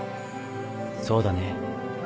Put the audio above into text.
そうだね